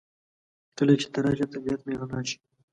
کله چې ته راشې طبیعت مې رڼا شي.